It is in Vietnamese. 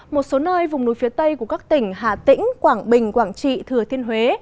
một số nơi vùng núi phía tây của các tỉnh hà tĩnh quảng bình quảng trị thừa thiên huế